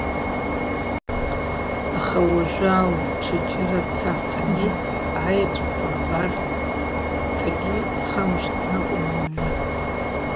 Аха уажәы алҩа аҽаџьара ацарҭа анеиҭа, аеҵәақәа рбарҭагьы ихамышҭыр акәын ауаҩы.